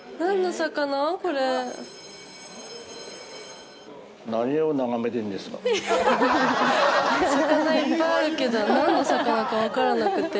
魚いっぱいあるけど何の魚かわからなくて。